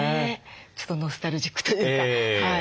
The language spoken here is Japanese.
ちょっとノスタルジックというか。